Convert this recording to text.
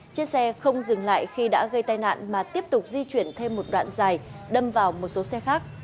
chiếc xe không dừng lại khi đã gây tai nạn mà tiếp tục di chuyển thêm một đoạn dài đâm vào một số xe khác